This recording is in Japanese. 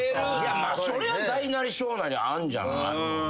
まあそれは大なり小なりあるんじゃない？